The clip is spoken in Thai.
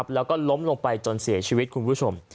แล้วก็ล้มลงไปจนเสียชีวิตคุณผู้ชม